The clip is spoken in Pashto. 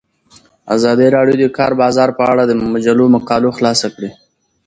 ازادي راډیو د د کار بازار په اړه د مجلو مقالو خلاصه کړې.